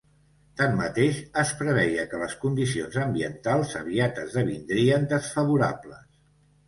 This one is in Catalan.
Tanmateix, es preveia que les condicions ambientals aviat esdevindrien desfavorables.